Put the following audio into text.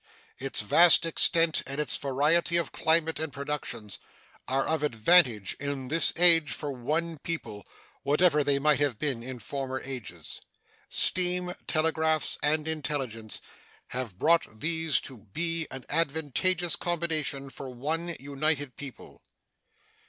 Its vast extent and its variety of climate and productions are of advantage in this age for one people, whatever they might have been in former ages. Steam, telegraphs, and intelligence have brought these to be an advantageous combination for one united people.